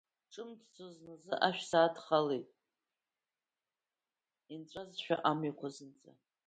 Иҿымҭӡо зназы ашә саадхалеит, инҵәазшәа амҩақәа зынӡа.